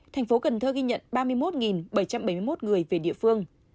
thành phố cần thơ ghi nhận ba mươi một bảy trăm bảy mươi một người về địa phương